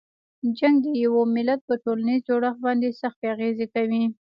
جنګ د یوه ملت په ټولنیز جوړښت باندې سختې اغیزې کوي.